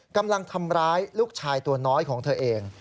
กำลังทำร้ายลูกชายตัวน้อยของเธอเอง